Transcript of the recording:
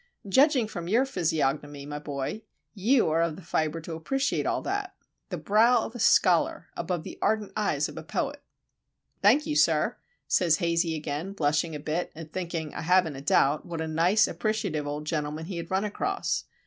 Judging from your physiognomy, my boy, you are of the fibre to appreciate all that. The brow of a scholar, above the ardent eyes of a poet!" "Thank you, sir," says Hazey again, blushing a bit, and thinking, I haven't a doubt, what a nice, appreciative old gentleman he had run across.